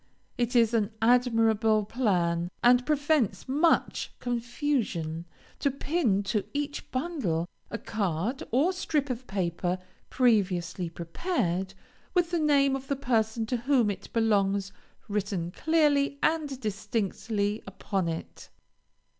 It is an admirable plan, and prevents much confusion, to pin to each bundle, a card, or strip of paper, (previously prepared,) with the name of the person to whom it belongs written clearly and distinctly upon it.